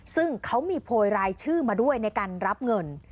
ซึ่งเขามีโพยรายชื่อมาด้วยในการรับเงิน